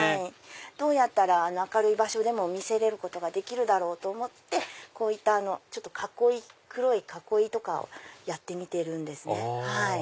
どうやったら明るい場所でも見せられるだろうと思ってこういった黒い囲いとかをやってみてるんですね。